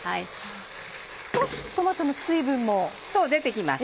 少しトマトの水分も。出て来ます